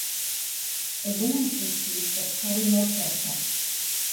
The winners received the Paddy Moclair Cup.